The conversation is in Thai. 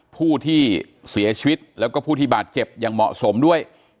ผู้ที่เสียชีวิตแล้วก็ผู้ที่บาดเจ็บอย่างเหมาะสมด้วย